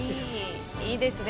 いいですね